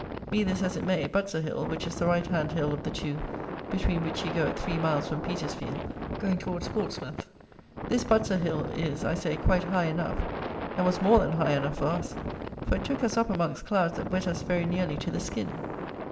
Be this as it may, Butser hill, which is the right hand hill of the two between which you go at three miles from Petersfield going towards Portsmouth; this Butser hill, is, I say, quite high enough; and was more than high enough for us, for it took us up amongst clouds that wet us very nearly to the skin.